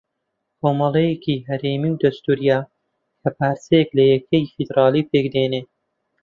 کۆمەڵەیەکی ھەرێمی و دەستوورییە کە پارچەیەک لە یەکەی فێدراڵ پێک دێنێ